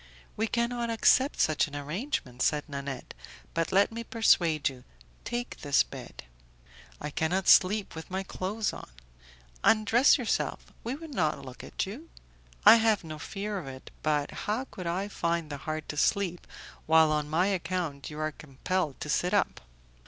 "We cannot accept such an arrangement," said Nanette, "but let me persuade you; take this bed." "I cannot sleep with my clothes on." "Undress yourself; we will not look at you." "I have no fear of it, but how could I find the heart to sleep, while on my account you are compelled to sit up?"